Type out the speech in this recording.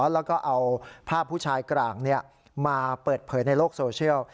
แล้วก็เอาภาพผู้ชายกลางมาเปิดเผยในโลกโซเชียล